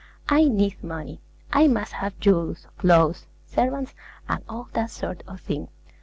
I need money; I must have jewels, clothes, servants, and all that sort of thing.